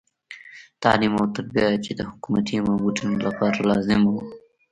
تعلیم او تربیه چې د حکومتي مامورینو لپاره لازمه وه.